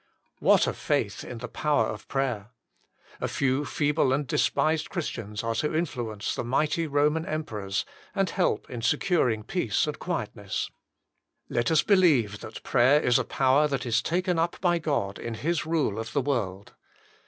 What a faith in the power of prayer ! A few feeble and despised Christians are to influence the mighty Roman emperors, and help in securing peace and quietness. Let us believe that prayer is a power that is taken up by God in His rule of the world.